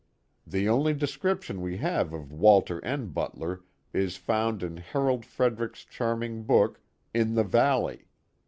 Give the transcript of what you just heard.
The only description we have seen of Walter N, Butler is found in Harold Frederic's charming book, In the Valley.